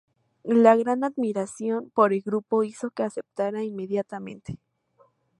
La gran admiración por el grupo hizo que aceptara inmediatamente.